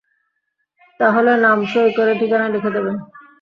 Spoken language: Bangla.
তাহলে নাম সই করে ঠিকানা লিখে দেবেন।